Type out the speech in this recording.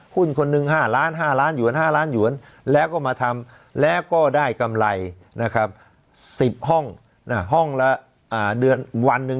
หุ้นคนหนึ่งห้าร้านห้าร้านหยวนห้าร้านหยวนแล้วก็มาทำแล้วก็ได้กำไรนะครับสิบห้องน่ะห้องละอ่าเดือนวันหนึ่ง